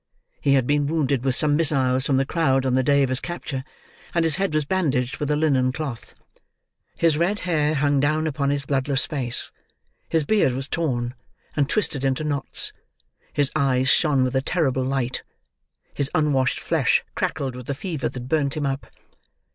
He had been wounded with some missiles from the crowd on the day of his capture, and his head was bandaged with a linen cloth. His red hair hung down upon his bloodless face; his beard was torn, and twisted into knots; his eyes shone with a terrible light; his unwashed flesh crackled with the fever that burnt him up.